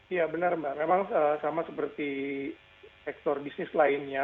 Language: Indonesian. iya benar mbak memang sama seperti sektor bisnis lainnya